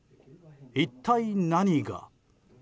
一体何が。